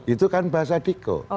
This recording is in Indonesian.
itu kan bahasa diko